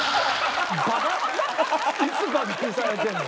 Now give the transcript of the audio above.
いつバカにされてんの？